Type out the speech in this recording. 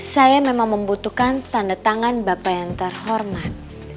saya memang membutuhkan tanda tangan bapak yang terhormat